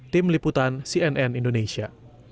tim liputan cnn indonesia